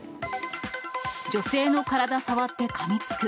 女性の体触ってかみつく。